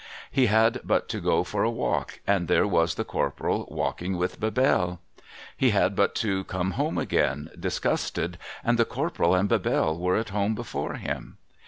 He had but to go for a walk, and there was the Corporal walking with Bebelle. He had but to come home again, disgusted, and the Corporal and Bebelle were at home before him.